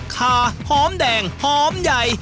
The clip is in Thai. ขาหอมแดงหอมใหญ่